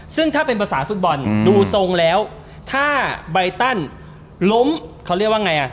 ซึ่งถ้าเป็นภาษาฟุตบอลดูทรงแล้วถ้าใบตันล้มเขาเรียกว่าไงอ่ะ